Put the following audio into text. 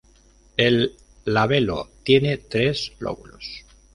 El labelo tiene tres lóbulos.